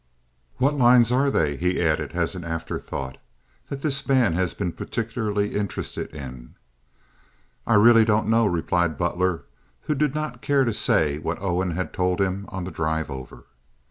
What lines are they," he added, as an afterthought, "that this man has been particularly interested in?" "I really don't know," replied Butler, who did not care to say what Owen had told him on the drive over.